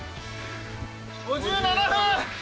５７分！